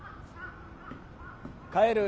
帰る。